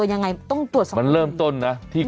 วันนี้จะเป็นวันนี้